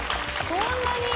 そんなに？